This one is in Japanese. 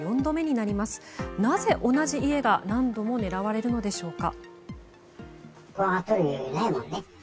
なぜ同じ家が何度も狙われるのでしょうか。